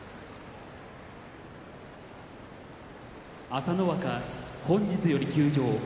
朝乃若本日より休場。